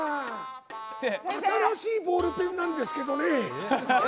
新しいボールペンなんですけどね。